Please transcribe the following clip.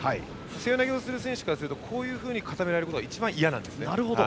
背負い投げをする選手はこういうふうに固められるのが一番嫌なんですね。